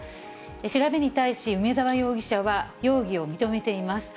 調べに対し梅沢容疑者は、容疑を認めています。